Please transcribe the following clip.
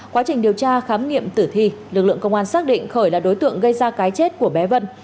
quá trình điều tra khám nghiệm tử thi lực lượng công an xác định khởi là đối tượng gây ra cái chết của bé vân